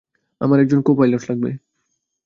আমার একজন কো-পাইলট লাগবে।